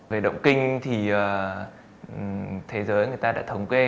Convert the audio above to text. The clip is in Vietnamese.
về động kinh thì thế giới người ta đã thống kê